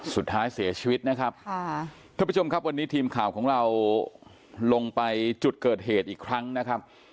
สุดท้ายเสียชีวิตนะครับค่ะท่านผู้ชมครับวันนี้ทีมข่าวของเราลงไปจุดเกิดเหตุอีกครั้งนะครับ